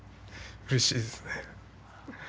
うれしいですね。